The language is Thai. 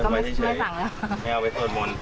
ไม่เอาไปตรงนั้น